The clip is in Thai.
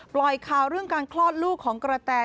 ปล่อยข่าวเรื่องการคลอดลูกของกระแต